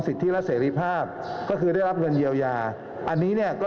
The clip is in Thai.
สิทธิและเสรีภาพก็คือได้รับเงินเยียวยาอันนี้เนี่ยก็